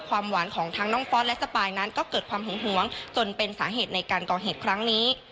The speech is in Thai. ความหวานของทั้งน้องฟอสและสปายนั้นก็เกิดความหึงหวงจนเป็นสาเหตุในการก่อเหตุครั้งนี้